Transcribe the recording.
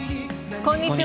こんにちは。